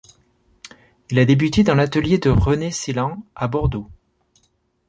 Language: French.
Il a débuté dans l'atelier de Renée Seilhean à Bordeaux.